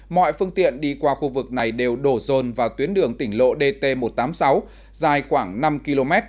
mọi phương tiện đi qua khu vực này đều đổ rồn vào tuyến đường tỉnh lộ dt một trăm tám mươi sáu dài khoảng năm km